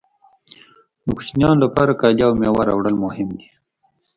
د کوچنیانو لپاره کالي او مېوه راوړل مهم دي